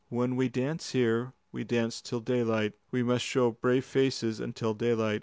"When we dance here, we dance till daylight. We must show brave faces until daylight."